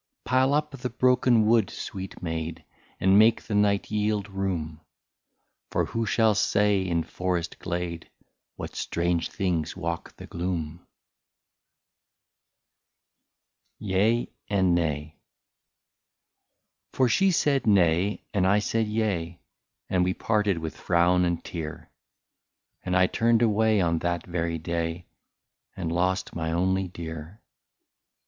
Pile up the broken wood, sweet maid. And make the night yield room ; For who shall say in forest glade. What strange things walk the gloom ? YEA AND NAY. For she said nay, and I said yea, And we parted with frown and tear ; And I turned away on that very day, And lost my only dear.